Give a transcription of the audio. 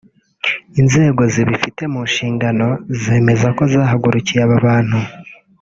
inzego zibifite mu nshingano zemeza ko zahagurukiye aba bantu